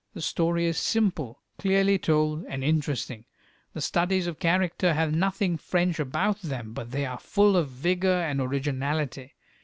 The story is simple, clearly told, and interesting; the studies of character have nothing French about them, but they are full of vigour and originality.